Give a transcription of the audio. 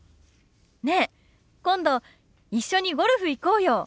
ねえ今度一緒にゴルフ行こうよ。